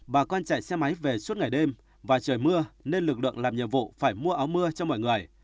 bà con chạy xe máy về suốt ngày đêm và trời mưa nên lực lượng làm nhiệm vụ phải mua áo mưa cho mọi người